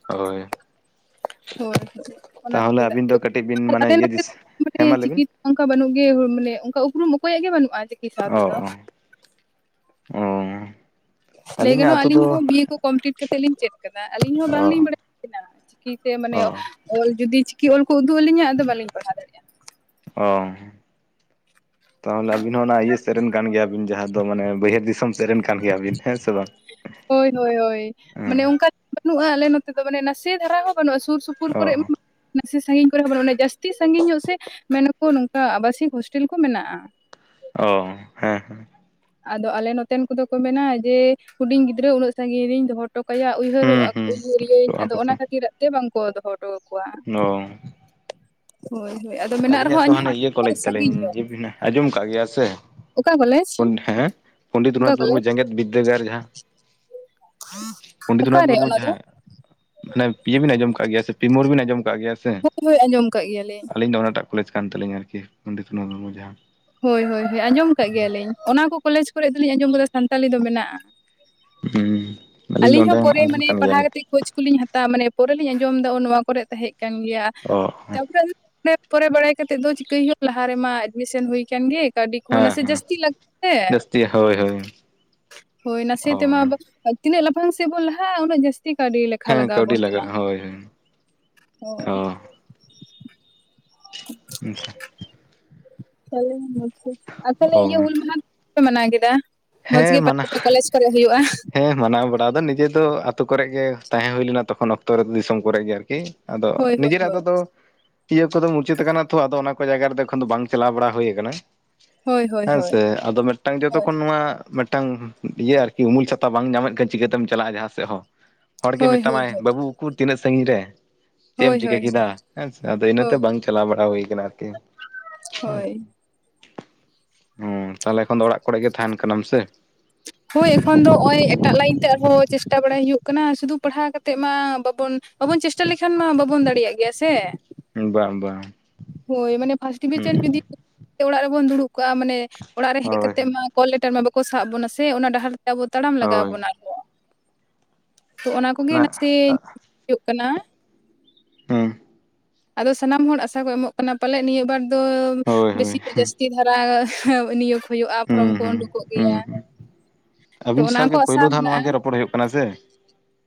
ᱦᱳᱭ ᱦᱳᱭ ᱦᱳᱭ ᱚᱱᱟ ᱛᱟᱦᱚᱞᱮ ᱠᱷᱟᱹᱛᱤᱨ ᱟᱹᱵᱤᱱ ᱛᱮ ᱫᱚ ᱠᱟᱹᱴᱤᱡ ᱵᱤᱱ ᱢᱟᱱᱮ ᱟᱞᱮ ᱤᱭᱟᱹ ᱱᱚᱛᱮ ᱫᱤᱥ ᱢᱟᱱᱮ ᱦᱮᱸ ᱢᱟ ᱪᱤᱠᱤ ᱞᱟᱹᱭᱵᱤᱱ <inaudible> ᱚᱱᱠᱟ ᱵᱟᱹᱱᱩᱜ ᱜᱮ ᱢᱟᱱᱮ ᱚᱱᱠᱟ ᱩᱯᱨᱩᱢ ᱚᱠᱚᱭᱟᱜ ᱜᱮ ᱵᱟᱹᱱᱩᱜᱼᱟ᱾ ᱪᱤᱠᱤ ᱥᱟᱶ ᱛᱮᱫᱚ ᱚ ᱚ ᱞᱟᱹᱭ ᱟᱹᱞᱤᱧᱟᱜ ᱜᱟᱱᱚᱜ ᱟᱛᱳ ᱟᱞᱤᱧ ᱫᱚ ᱦᱚᱸ ᱵᱤᱭᱮ ᱠᱚ ᱠᱚᱢᱯᱞᱤᱴ ᱠᱟᱛᱮᱫ ᱞᱤᱧ ᱪᱮᱫ ᱠᱟᱫᱟ ᱟᱹᱞᱤᱧ ᱦᱚᱸ ᱚ ᱵᱟᱝᱞᱤᱧ ᱵᱟᱲᱟᱭᱮᱫ ᱛᱟᱦᱮᱱᱟ ᱾ ᱪᱤᱠᱤᱛᱮ ᱢᱟᱱᱮ ᱚ ᱚᱞ ᱡᱩᱫᱤ ᱪᱤᱠᱤ ᱚᱞ ᱠᱚ ᱩᱫᱩᱜ ᱟᱹᱞᱤᱧᱟ ᱟᱫᱚ ᱵᱟᱹᱞᱤᱧ ᱯᱟᱲᱦᱟᱣ ᱫᱟᱲᱮᱭᱟᱜᱼᱟ ᱚ ᱛᱟᱦᱚᱞᱮ ᱟᱹᱵᱤᱱ ᱦᱚᱸ ᱚᱱᱟ ᱤᱭᱟᱹ ᱥᱮᱫ ᱨᱮᱱ ᱠᱟᱱ ᱜᱮᱭᱟᱵᱤᱱ ᱡᱟᱦᱟᱸ ᱫᱚ ᱛᱚ ᱢᱟᱱᱮ ᱵᱟᱹᱭᱦᱟᱹᱲ ᱫᱤᱥᱚᱢ ᱥᱮᱫ ᱨᱮᱱ ᱠᱟᱱ ᱜᱮᱭᱟᱵᱤᱱ ᱦᱮᱸ ᱥᱮ ᱵᱟᱝ᱾ ᱦᱳᱭ ᱦᱳᱭ ᱦᱳᱭ ᱢᱟᱱᱮ ᱦᱮᱸ ᱚᱱᱠᱟ ᱵᱟᱹᱱᱩᱜ-ᱟ ᱟᱞᱮ ᱱᱚᱛᱮ ᱫᱚ ᱢᱟᱱᱮ ᱱᱟᱥᱮ ᱫᱷᱟᱨᱟ ᱦᱚᱸ ᱵᱟᱹᱱᱩᱜ-ᱟ ᱥᱩᱨ ᱥᱩᱯᱩᱨ ᱯᱩᱨ ᱚ ᱠᱚᱨᱮ <inaudible> ᱱᱟᱥᱮ ᱥᱟᱺᱜᱤᱧ ᱠᱚᱨᱮ ᱦᱚᱸ ᱵᱟᱹᱱᱩᱜ ᱚᱱᱟ ᱡᱟᱹᱥᱛᱤ ᱥᱟᱺᱜᱤᱧ ᱧᱚᱜ ᱥᱮ ᱢᱮᱱᱟ ᱠᱚ ᱱᱚᱝᱠᱟ ᱟᱵᱟᱥᱤᱠ ᱦᱳᱥᱴᱮᱞ ᱠᱚ ᱢᱮᱱᱟᱜ-ᱟ᱾ ᱚ ᱦᱮᱸ ᱦᱮᱸ ᱟᱫᱚ ᱟᱞᱮ ᱱᱚᱛᱮᱱ ᱠᱚᱫᱚ ᱠᱚ ᱢᱮᱱᱟ ᱡᱮ ᱦᱩᱰᱤᱧ ᱜᱤᱫᱽᱨᱟᱹ ᱩᱱᱟᱹᱜ ᱥᱟᱺᱜᱤᱧ ᱨᱤᱧ ᱫᱚᱦᱚ ᱦᱚᱴᱚ ᱠᱟᱭᱟ ᱦᱩᱸ ᱩᱭᱦᱟᱹᱨᱚᱜ-ᱟ ᱦᱩᱸ ᱩᱭᱦᱟᱹᱨᱮᱭᱟᱹᱧ ᱚᱜᱼᱟ ᱟᱫᱚ ᱠᱚ ᱚᱱᱟ ᱠᱷᱟᱹᱛᱤᱨᱟᱜ ᱛᱮ ᱵᱟᱝ ᱠᱚ ᱫᱚᱦᱚ ᱟᱠᱚᱣᱟ ᱚᱻ ᱦᱳᱭ ᱦᱳᱭ ᱟᱫᱚ ᱢᱮᱱᱟᱜ ᱟᱹᱞᱤᱧᱟᱜ ᱨᱮᱦᱚᱸ ᱫᱚ ᱟᱸᱡᱚᱢ ᱦᱟᱱᱮ ᱤᱭᱟᱹ ᱠᱚᱞᱮᱡᱽ ᱥᱟᱺᱜᱤᱧ ᱧᱚᱜ ᱛᱟᱞᱤᱧ <inaudible> ᱟᱸᱡᱚᱢ ᱟᱠᱟᱜ ᱜᱮᱭᱟ ᱥᱮ᱾ ᱚᱠᱟ ᱠᱚᱞᱮᱡᱽ ᱯᱚᱱ ᱦᱮᱸ ᱯᱚᱱᱰᱤᱛ ᱚᱠᱟ ᱨᱚᱜᱷᱩᱱᱟᱛᱷ ᱢᱩᱨᱢᱩ ᱠᱚᱞᱮᱡᱽ ᱡᱮᱜᱮᱛ ᱵᱤᱫᱽᱫᱟᱹᱜᱟᱲ ᱡᱟᱦᱟᱸ ᱯᱚᱱᱰᱤᱛ ᱨᱚᱜᱷᱩᱱᱟᱛᱷ ᱚᱠᱟᱨᱮ ᱢᱩᱨᱢᱩ ᱚᱱᱟ ᱫᱚ ᱡᱟᱦᱟᱸ ᱢᱟᱱᱮ ᱯᱤᱭᱟᱹ ᱵᱤᱱ ᱟᱸᱡᱚᱢ ᱠᱟᱜ ᱜᱮᱭᱟ ᱥᱮ ᱯᱤᱢᱳᱲ ᱵᱤᱱ ᱟᱸᱡᱚᱢ ᱠᱟᱜ ᱜᱮᱭᱟ ᱥᱮ, ᱦᱳᱭ ᱦᱳᱭ ᱟᱸᱡᱚᱢ ᱠᱟᱜ ᱜᱮᱭᱟᱞᱤᱧ᱾ ᱟᱹᱞᱤᱧ ᱫᱚ ᱚᱱᱟᱴᱟᱜ ᱠᱚᱞᱮᱡᱽ ᱠᱟᱱ ᱛᱟᱹᱞᱤᱧᱟ ᱟᱨᱠᱤ ᱯᱚᱱᱰᱤᱛ ᱨᱩᱜᱷᱩᱱᱟᱛᱷ ᱢᱩᱨᱢᱩ ᱡᱟᱦᱟᱸ᱾ ᱦᱳᱭ ᱦᱳᱭ ᱦᱳᱭ ᱟᱸᱡᱚᱢ ᱠᱟᱜ ᱜᱮᱭᱟᱞᱤᱧ ᱚᱱᱟ ᱠᱚ ᱠᱚᱞᱮᱡᱽ ᱠᱚᱨᱮ ᱫᱚᱞᱤᱧ ᱟᱸᱡᱚᱢ ᱟᱠᱟᱫᱟ ᱥᱟᱱᱛᱟᱞᱤ ᱫᱚ ᱢᱮᱱᱟᱜ-ᱟ᱾ ᱦᱩᱸ ᱟᱹᱞᱤᱧ ᱫᱚ ᱟᱞᱤᱧ ᱚᱸᱰᱮ ᱦᱚᱸ ᱯᱚᱨᱮ ᱚᱸᱰᱮᱱ ᱢᱟᱱᱮ ᱠᱟᱱ ᱯᱟᱲᱦᱟᱣ ᱜᱮᱭᱟᱞᱤᱧ ᱠᱟᱛᱮ ᱠᱷᱳᱪ ᱠᱚᱞᱤᱧ ᱦᱟᱛ ᱛᱟ ᱢᱟᱱᱮ ᱯᱚᱨᱮ ᱞᱤᱧ ᱟᱸᱡᱚᱢ ᱮᱫᱟ ᱱᱚᱣᱟ ᱠᱚᱨᱮ ᱛᱟᱦᱮᱸ ᱠᱟᱱ ᱜᱮᱭᱟ, ᱚ ᱦᱮᱸ ᱛᱟᱯᱚᱨᱮ ᱚᱱᱮ ᱯᱚᱨᱮ ᱵᱟᱲᱟᱭ ᱠᱟᱛᱮᱫ ᱫᱚ ᱪᱤᱠᱟᱹᱭ ᱦᱩᱭᱩᱜ ᱞᱟᱦᱟ ᱨᱮᱢᱟ ᱮᱰᱢᱤᱥᱮᱱ ᱦᱩᱭ ᱟᱠᱟᱱ ᱜᱮ᱾ ᱠᱟᱹᱣᱰᱤ ᱠᱚᱦᱚᱸ ᱱᱟᱥᱮ ᱦᱮᱸ ᱡᱟᱹᱥᱛᱤ <inaudible> ᱛᱮ ᱡᱟᱹᱥᱛᱤ ᱦᱳᱭ ᱦᱳᱭ ᱦᱳᱭ ᱱᱟᱥᱮ ᱚ ᱛᱮᱢᱟ ᱛᱤᱱᱟᱹᱜ ᱞᱟᱯᱷᱟᱝ ᱥᱮᱜ ᱵᱚᱱ ᱞᱟᱦᱟᱜ-ᱟ ᱩᱱᱟᱹᱜ ᱡᱟᱹᱥ -ᱛᱤ ᱠᱟᱹᱣᱰᱤ ᱞᱮᱠᱷᱟ ᱦᱮᱸ ᱞᱟᱜᱟᱣ ᱟᱵᱚᱱ ᱠᱟᱹᱣᱰᱤ ᱠᱟᱱᱟ᱾ ᱞᱟᱜᱟᱜᱼᱟ ᱦᱳᱭ ᱦᱳᱭ, ᱦᱩᱸ <unintelligible> ᱟᱨ ᱛᱟᱦᱞᱮ ᱚ ᱤᱭᱟᱹ ᱦᱩᱞ ᱢᱟᱦᱟ <inaudible> ᱫᱚ ᱯᱮ ᱢᱟᱱᱟᱣ ᱠᱮᱫᱟ᱾ ᱢᱚᱸᱡᱽ ᱦᱮᱸ ᱜᱮ ᱢᱟᱱᱟ <inaudible> ᱠᱚᱞᱮᱡᱽ ᱠᱚᱨᱮ ᱦᱩᱭᱩᱜ-ᱟ᱾ ᱦᱮᱸ ᱢᱟᱱᱟᱣ ᱵᱟᱲᱟ ᱫᱚ ᱱᱤᱡᱮ ᱫᱚ ᱟᱛᱳ ᱠᱚᱨᱮ ᱜᱮ ᱛᱟᱦᱮᱸ ᱦᱩᱭ ᱞᱮᱱᱟ ᱛᱚᱠᱷᱚᱱ ᱚᱠᱛᱚ ᱨᱮ ᱫᱤᱥᱚᱢ ᱠᱚᱨᱮ ᱜᱮ ᱟᱹᱨᱠᱤ ᱾ ᱟᱫᱚ ᱦᱳᱭ ᱦᱳᱭ ᱱᱤᱡᱮᱨᱟᱜ ᱟᱛᱳ ᱦᱳᱭ ᱫᱚ ᱤᱭᱟᱹ ᱠᱚᱫᱚ ᱢᱩᱪᱟᱹᱫ ᱟᱠᱟᱱᱟ ᱛᱚ ᱟᱫᱚ ᱚᱱᱟ ᱠᱚ ᱡᱟᱭᱜᱟ ᱨᱮᱫᱚ ᱮᱠᱷᱚᱱ ᱫᱚ ᱵᱟᱝ ᱪᱟᱞᱟᱣ ᱵᱟᱲᱟ ᱦᱩᱭ ᱟᱠᱟᱱᱟ᱾ ᱦᱳᱭ ᱦᱳᱭ ᱦᱮᱸ ᱦᱳᱭ ᱥᱮ ᱟᱫᱚ ᱢᱤᱫᱴᱟᱝ ᱡᱚᱛᱚ ᱠᱷᱚᱱ ᱱᱚᱣᱟ ᱢᱤᱫᱴᱟᱝ ᱤᱭᱟᱹ ᱟᱨᱠᱤ ᱩᱢᱩᱞ ᱪᱷᱟᱛᱟ ᱵᱟᱝ ᱧᱟᱢᱮᱫ ᱠᱟᱱ ᱪᱤᱠᱟᱹᱛᱮᱢ ᱪᱟᱞᱟᱜ-ᱟ ᱡᱟᱦᱟᱸ ᱥᱮᱫ ᱦᱚᱸ᱾ ᱦᱚᱲ ᱜᱮ ᱦᱳᱭ ᱦᱳᱭ ᱢᱮᱛᱟᱢᱟᱭ ᱵᱟᱹᱵᱩ ᱩᱠᱩᱨ ᱛᱤᱱᱟᱹᱜ ᱥᱟᱺᱜᱤᱧ ᱨᱮ᱾ ᱪᱮᱫ ᱮᱢ ᱦᱳᱭ ᱦᱳᱭ ᱪᱤᱠᱟᱹ ᱦᱳᱭ ᱠᱮᱫᱟ ᱦᱮᱸ ᱥᱮ ᱟᱫᱚ ᱤᱱᱟᱹ ᱛᱮ ᱦᱳᱭ ᱵᱟᱝ ᱪᱟᱞᱟᱣ ᱵᱟᱲᱟ ᱦᱩᱭ ᱠᱟᱱᱟ ᱟᱹᱨᱠᱤ ᱦᱮᱸ᱾ ᱦᱳᱭ ᱦᱚᱸ ᱛᱟᱦᱞᱮ ᱮᱠᱷᱚᱱ ᱫᱚ ᱚᱲᱟᱜ ᱠᱚᱨᱮ ᱜᱮ ᱛᱟᱦᱮᱱ ᱠᱟᱱᱟᱢ ᱥᱮ, ᱦᱳᱭ ᱮᱠᱷᱚᱱ ᱫᱚ ᱦᱚᱸᱜ-ᱚᱭ ᱮᱴᱟᱜ ᱞᱟᱭᱤᱱ ᱛᱮ ᱟᱨᱦᱚᱸ ᱪᱮᱥᱴᱟ ᱵᱟᱲᱟᱭ ᱦᱩᱭᱩᱜ ᱠᱟᱱᱟ ᱥᱩᱫᱷᱩ ᱯᱟᱲᱦᱟᱣ ᱠᱟᱛᱮᱜ ᱢᱟ ᱵᱟᱵᱚᱱ ᱵᱟᱵᱚᱱ ᱪᱮᱥᱴᱟ ᱞᱮᱠᱷᱟᱱ ᱢᱟ ᱵᱟᱵᱚᱱ ᱫᱟᱲᱮᱭᱟᱜ ᱜᱮᱭᱟ ᱥᱮ ᱾ ᱵᱟᱝ ᱵᱟᱝ, ᱦᱳᱭ ᱢᱟᱱᱮ ᱯᱷᱟᱥᱴ ᱦᱩᱸ ᱰᱤᱵᱷᱤᱪᱮᱱ ᱡᱩᱫᱤ ᱚᱲᱟᱜ ᱨᱮᱵᱚᱱ ᱫᱩᱲᱩᱵ ᱠᱚᱜ-ᱟ ᱢᱟᱱᱮ ᱚᱲᱟᱜ ᱨᱮ ᱦᱮᱡ ᱦᱳᱭ ᱦᱳᱭ ᱠᱟᱛᱮ ᱢᱟ ᱠᱚᱞ ᱞᱮᱴᱟᱨ ᱢᱟ ᱵᱟᱠᱚ ᱥᱟᱵ ᱵᱚᱱᱟ ᱥᱮ ᱚᱱᱟ ᱰᱟᱦᱟᱨ ᱛᱮ ᱟᱵᱚ ᱛᱟᱲᱟᱢ ᱞᱟᱜᱟᱣ ᱦᱩᱸ ᱵᱚᱱᱟ ᱠᱚ ᱾ ᱛᱚ ᱚᱱᱟ ᱠᱚᱜᱮ ᱱᱟᱥᱮ ᱦᱩᱭᱩᱜ ᱠᱟᱱᱟ ᱾ ᱦᱩᱸ ᱟᱫᱚ ᱥᱟᱱᱟᱢ ᱦᱚᱲ ᱟᱥᱟ ᱠᱚ ᱮᱢᱚᱜ ᱠᱟᱱᱟ ᱯᱟᱞᱮᱫ ᱱᱤᱭᱟᱹ ᱵᱟᱨ ᱫᱚ ᱦᱳᱭ ᱦᱳᱭ ᱵᱮᱥᱤ ᱯᱮ ᱦᱩᱸ ᱡᱟᱹᱥᱛᱤ ᱫᱷᱟᱨᱟ <inaudible> ᱱᱤᱭᱟᱹ ᱾ ᱦᱩᱭᱩᱜ-ᱟ ᱯᱷᱨᱚᱢ ᱦᱩᱸ ᱠᱚ ᱦᱩᱸ ᱩᱰᱩᱠᱚᱜ ᱜᱮᱭᱟ ᱦᱩᱸ ᱛᱚ ᱟᱹᱵᱤᱱ ᱚᱱᱟ ᱠᱚ ᱥᱟᱶᱜᱮ ᱟᱥᱟ ᱯᱳᱭᱞᱳ ᱫᱷᱟᱣ ᱱᱚᱣᱟ ᱢᱮᱱᱟᱜ-ᱟ ᱜᱮ ᱾ ᱨᱚᱯᱚᱲ ᱦᱩᱭᱩᱜ ᱠᱟᱱᱟ ᱥᱮ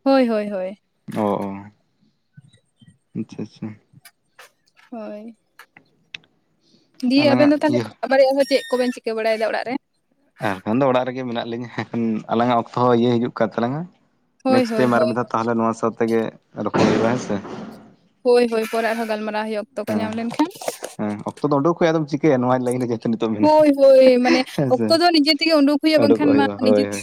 ᱦᱳᱭ ᱦᱳᱭ ᱦᱳᱭ ᱾ ᱚ ᱚ ᱟᱪᱪᱷᱟ ᱟᱪᱪᱷᱟ ᱾ ᱦᱳᱭ ᱫᱤᱭᱮ ᱟᱵᱮᱱ ᱟᱞᱟᱝᱟᱜ ᱫᱚ ᱛᱷᱟᱞᱮ ᱤᱭᱟᱹ ᱵᱟᱨᱭᱟ ᱦᱚᱸ ᱪᱮᱜ ᱠᱚᱵᱮᱱ ᱪᱤᱠᱟᱹ ᱵᱟᱲᱟᱭᱫᱟ ᱚᱲᱟᱜ ᱨᱮ? ᱟᱨ ᱠᱷᱟᱱ ᱫᱚ ᱚᱲᱟᱜ ᱨᱮᱜᱮ ᱢᱮᱱᱟᱜ ᱞᱤᱧᱟᱹ ᱮᱱᱠᱷᱟᱱ ᱟᱞᱟᱝ-ᱟᱜ ᱚᱠᱛᱚ ᱦᱚᱸ ᱤᱭᱟᱹ ᱦᱤᱡᱩᱜ ᱠᱟᱱ ᱛᱟᱞᱟᱝ-ᱟ ᱾ ᱦᱳᱭ ᱱᱮᱠᱥᱴ ᱦᱳᱭ ᱴᱟᱭᱤᱢ ᱟᱨ ᱦᱳᱭ ᱢᱤᱫ ᱫᱷᱟᱣ ᱛᱟᱦᱚᱞᱮ ᱱᱚᱣᱟ ᱥᱟᱶ ᱛᱮᱜᱮ ᱨᱚᱯᱚᱲ ᱦᱩᱭᱩᱜ-ᱟ ᱦᱮᱸᱥᱮ ᱾ ᱦᱳᱭ ᱦᱳᱭ ᱯᱚᱨᱮ ᱟᱨᱦᱚᱸ ᱜᱟᱞᱢᱟᱨᱟᱣ ᱦᱩᱭᱩᱜ ᱚᱠᱛᱚ ᱠᱚ ᱦᱮᱸ ᱧᱟᱢ ᱞᱮᱱᱠᱷᱟᱱ ᱦᱮᱸ ᱚᱠᱛᱚ ᱫᱚ ᱩᱰᱩᱠ ᱦᱩᱭᱩᱜᱼᱟ ᱟᱫᱚᱢ ᱾ ᱪᱤᱠᱟᱹᱭᱟ ᱱᱚᱣᱟ ᱞᱟᱭᱤᱱ ᱨᱮ ᱡᱮᱦᱮᱛᱩ ᱱᱤᱛᱚᱜ <inaudible> ᱢᱮᱱᱟᱜᱼᱟ ᱦᱳᱭ ᱦᱳᱭ ᱢᱟᱱᱮ ᱦᱮᱸ ᱥᱮ ᱚᱠᱛᱚ ᱫᱚ ᱱᱤᱡᱮ ᱛᱮᱜᱮ ᱩᱰᱩᱠ ᱦᱩᱭᱟ ᱩᱰᱩᱠᱚᱜ ᱵᱟᱝᱠᱷᱟᱱ ᱢᱟ ᱦᱩᱭᱩᱜᱼᱟ ᱦᱳᱭ ᱱᱤᱡᱮᱛ ᱦᱳᱭ